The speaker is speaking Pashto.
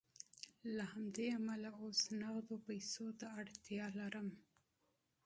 له همدې امله اوس نغدو پیسو ته اړتیا لرم